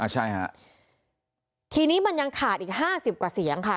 ใช่ค่ะทีนี้มันยังขาดอีก๕๐กว่าเสียงค่ะ